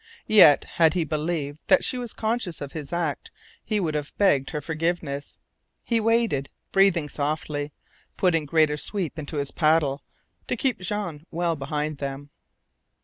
Yet had he believed that she was conscious of his act he would have begged her forgiveness. He waited, breathing softly, putting greater sweep into his paddle to keep Jean well behind them.